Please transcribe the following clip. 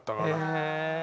へえ。